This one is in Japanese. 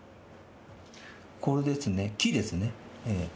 これですね、気ですね。